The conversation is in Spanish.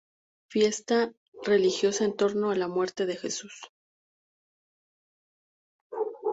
Fiesta religiosa en torno a la muerte de Jesús.